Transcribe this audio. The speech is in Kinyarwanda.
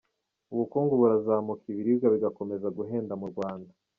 Ubukungu burazamuka ibirirwa bigakomeza guhenda mu Rwanda